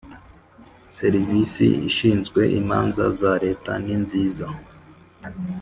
Serivisi ishinzwe imanza za Leta ninziza